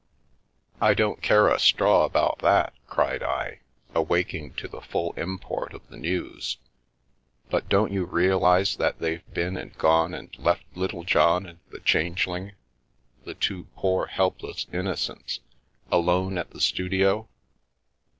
" I don't care a straw about that," cried I, awaking to the full import of the news, "but don't you realise that they've been and gone and left Littlejohn and the Changeling, the two poor, helpless innocents, alone at the studio!